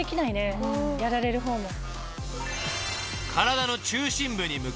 やられる方も。